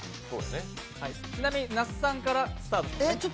ちなみに、那須さんからスタートです。